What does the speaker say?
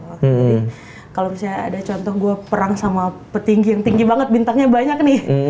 jadi kalau misalnya ada contoh gue perang sama petinggi yang tinggi banget bintangnya banyak nih